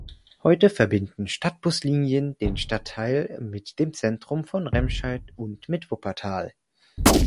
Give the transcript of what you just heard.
Heute verbinden Stadtbuslinien den Stadtteil mit dem Zentrum von Remscheid und mit Wuppertal.